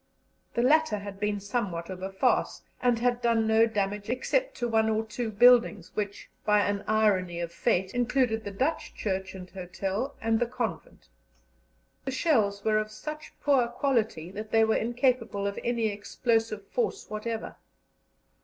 The latter had been somewhat of a farce, and had done no damage, except to one or two buildings which, by an irony of fate, included the Dutch church and hotel and the convent. The shells were of such poor quality that they were incapable of any explosive force whatever.